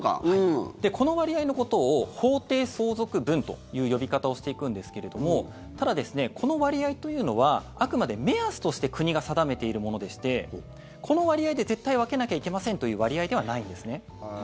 この割合のことを法定相続分という呼び方をしていくんですけれどもただ、この割合というのはあくまで目安として国が定めているものでしてこの割合で絶対分けなきゃいけませんという割合ではないんですね。